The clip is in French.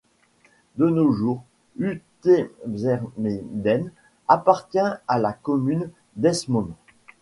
De nos jours, Uithuizermeeden appartient à la commune d'Eemsmond.